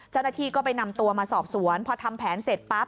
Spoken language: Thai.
เจ้าหน้าที่ก็ไปนำตัวมาสอบสวนพอทำแผนเสร็จปั๊บ